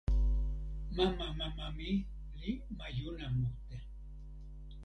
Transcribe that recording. mama mama mi li majuna mute.